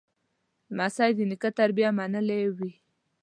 لمسی د نیکه تربیه منلې وي.